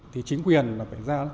thì chính quyền phải ra